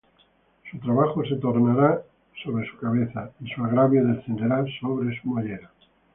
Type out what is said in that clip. Su trabajo se tornará sobre su cabeza, Y su agravio descenderá sobre su mollera.